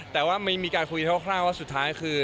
แต่ว่ามีการคุยคร่าวว่าสุดท้ายคือ